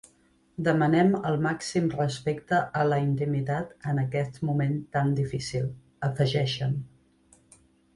Demanem el màxim respecte a la intimitat en aquest moment tan difícil, afegeixen.